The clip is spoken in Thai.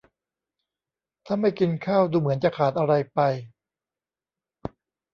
ถ้าไม่กินข้าวดูเหมือนจะขาดอะไรไป